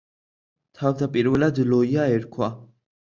თავდაპირველად ლოია ერქვა.